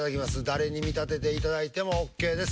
誰に見立てていただいてもＯＫです。